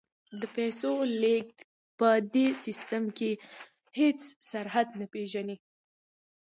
د پیسو لیږد په دې سیستم کې هیڅ سرحد نه پیژني.